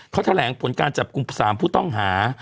เขาแถลงผลการจับกลุ่ม๓ผู้ต้องหา